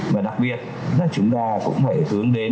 và đặc biệt là chúng ta cũng phải hướng đến